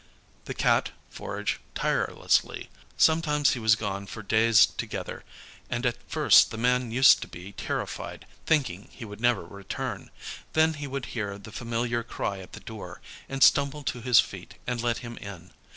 The Cat foraged tirelessly. Sometimes he was gone for days together, and at first the man used to be terrified, thinking he would never return; then he would hear the familiar cry at the door, and stumble to his feet and let him in.